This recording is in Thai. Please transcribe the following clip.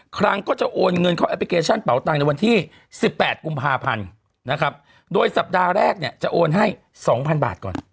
ครั้งก็จะโอนเงินเข้าแอปพลิเคชันเป่าตังในวันที่๑๘กุมภาพันธ์นะครับโดยสัปดาห์แรกเนี่ยจะโอนให้๒๐๐บาทก่อน